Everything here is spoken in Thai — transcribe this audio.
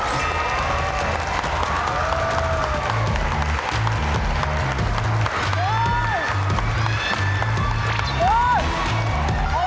จริงนะพี่จริงอุ้ยอุ้ย